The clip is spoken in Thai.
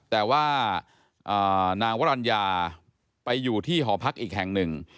แต่ว่านางวรรณญาไปอยู่ที่หอพักอีกแห่งหนึ่ง